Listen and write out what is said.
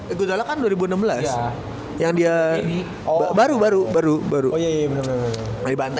ada pemain yang diresmi ya